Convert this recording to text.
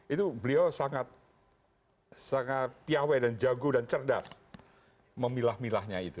itu beliau sangat piawai dan jago dan cerdas memilah milahnya itu